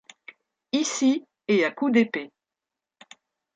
Ici, et à coups d’épée.